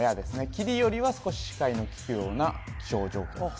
霧よりは少し視界のきくような気象条件です・